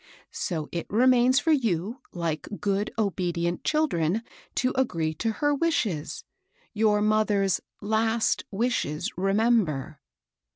So it re mains for you, like good, obedient children, to agree to her wishes, — your mother's Za«^ wishes, remember."